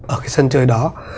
ở cái sân chơi đó